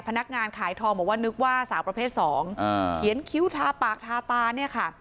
พนักงานขายทองบอกว่านึกว่าสาวประเภทสองอ่าเขียนคิ้วทาปากทาตาเนี่ยค่ะ